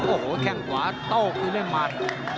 โอ้โหแค่งขวาโต๊ะอิเลมัส